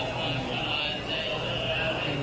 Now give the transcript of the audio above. สวัสดีครับ